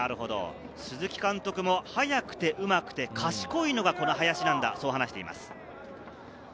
鈴木監督も速くて、うまくて、賢いのが林だと言っています。